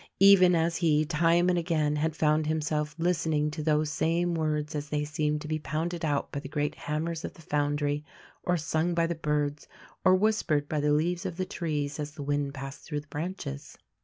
even as he, time and again had found himself listening to those same words as they seemed to be pounded out by the great hammers of the foundry, or sung by the birds, or whispered by the leaves of the trees as the wind passed through the branches.